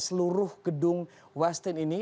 seluruh gedung westin ini